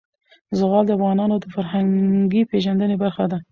زغال د افغانانو د فرهنګي پیژندنې برخه ده.